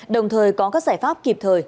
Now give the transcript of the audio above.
đồng thời có các giải pháp kịp thời